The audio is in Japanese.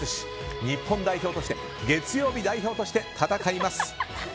日本代表として月曜日代表として戦います。